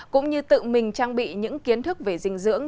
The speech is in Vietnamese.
cũng như tự mình trang bị những kiến thức về dinh dưỡng